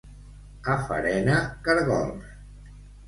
A Farena, caragols.